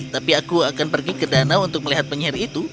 tapi aku akan pergi ke danau untuk melihat penyihir itu